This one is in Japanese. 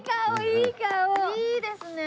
いいですね。